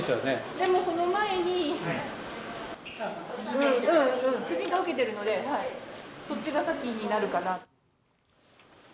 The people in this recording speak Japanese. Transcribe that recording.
でもその前に、婦人科受けてるので、そっちが先になるかなと。